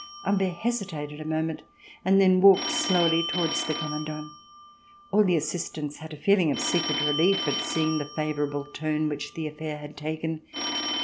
Humbert hesitated a moment and then walked slowly towards the Commandant. All the assistants had a feeling of secret relief at seeing the favorable turn which the affair had taken.